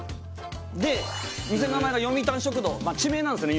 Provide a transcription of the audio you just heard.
店の名前が読谷食堂地名なんですね